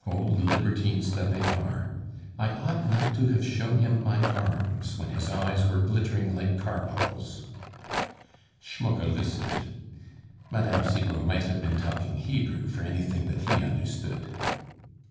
Old libertines that they are. I ought not to have shown him my arms when his eyes were glittering like carbuckles." Schmucke listened. Mme. Cibot might have been talking Hebrew for anything that he understood.